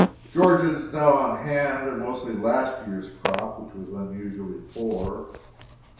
The Georgians now on hand are mostly last year's crop, which was unusually poor.